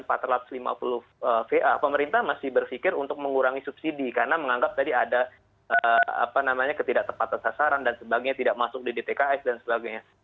dan empat ratus lima puluh pa pemerintah masih berpikir untuk mengurangi subsidi karena menganggap tadi ada ketidak tepatan sasaran dan sebagainya tidak masuk di dtks dan sebagainya